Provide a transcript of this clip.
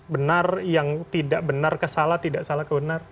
benar yang tidak benar kesalah tidak salah kebenar